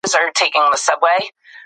انټرنیټ د ستونزو په حل کې لویه مرسته کوي.